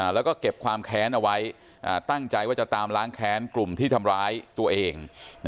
แล้วก็เก็บความแค้นเอาไว้ตั้งใจว่าจะตามล้างแค้นกลุ่มที่ทำร้ายตัวเอง